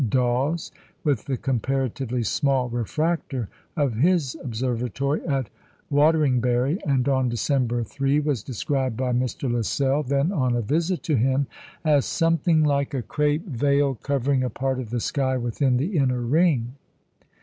Dawes with the comparatively small refractor of his observatory at Wateringbury, and on December 3 was described by Mr. Lassell (then on a visit to him) as "something like a crape veil covering a part of the sky within the inner ring."